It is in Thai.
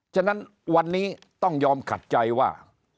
ฉะนั้นวันนี้ต้องยอมขัดใจว่า